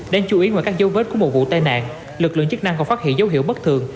đáng chú ý ngoài các dấu vết của một vụ tai nạn lực lượng chức năng còn phát hiện dấu hiệu bất thường